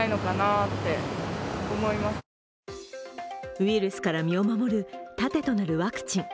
ウイルスから身を守る盾となるワクチン。